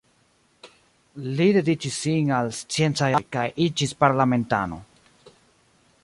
Li dediĉis sin al sciencaj aĵoj kaj iĝis parlamentano.